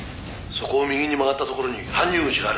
「そこを右に曲がったところに搬入口がある。